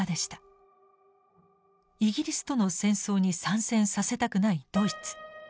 イギリスとの戦争に参戦させたくないドイツ。